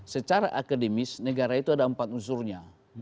secara akademis negara itu ada empat unsurnya